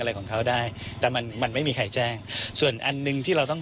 อะไรของเขาได้แต่มันมันไม่มีใครแจ้งส่วนอันหนึ่งที่เราต้อง